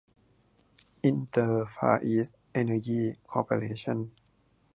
อินเตอร์ ฟาร์อีสท์ เอ็นเนอร์ยี่ คอร์ปอเรชั่น